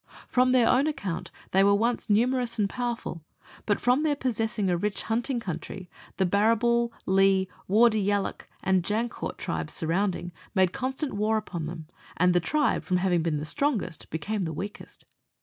From their own account, they were once numerous and powerful, but from their possessing a rich hunting country, the Barrabool, Leigh, Wardy Yalloak, and Jaiicourt tribes surrounding, made constant war upon them, and the tribe, from having been the strongest, became the weakest.